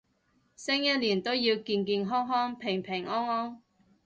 新一年都要健健康康平平安安